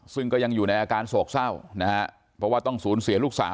ซึ่งก็ยังอยู่ในอาการโศกเศร้านะฮะเพราะว่าต้องสูญเสียลูกสาว